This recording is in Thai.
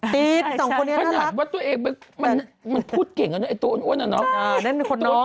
ติดสองคนเนี้ยน่ารักเนี่ยสมมุติว่าตัวเองมันมันพูดเก่งกันเนอะไอ้ตัวอ้อนน่ะน้อง